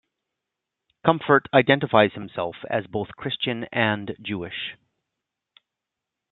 Comfort identifies himself as both Christian and Jewish.